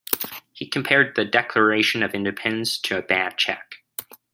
He compared the Declaration of Independence to a bad check.